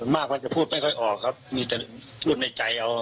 มากมันจะพูดไม่ค่อยออกครับมีแต่พูดในใจเอา